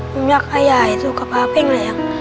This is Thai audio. คุณอยากใหญ่สุขภาพไม่เหลอ